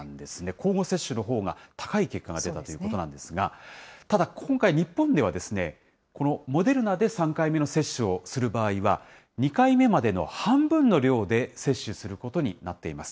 交互接種のほうが高い結果が出たということなんですが、ただ、今回、日本では、このモデルナで３回目の接種をする場合は、２回目までの半分の量で接種することになっています。